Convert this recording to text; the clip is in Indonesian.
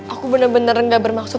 aku bener bener gak bermaksud